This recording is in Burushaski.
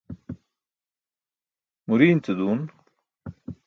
Muriin ce duun.